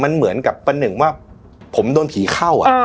มันเหมือนกับประหนึ่งว่าผมโดนผีเข้า